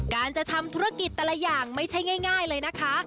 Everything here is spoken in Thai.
การจะทำธุรกิจแต่ละอย่างไม่ใช่ง่ายเลยนะคะ